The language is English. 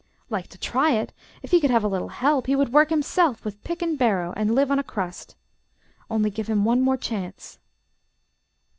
Like to try it! If he could have a little help, he would work himself, with pick and barrow, and live on a crust. Only give him one more chance.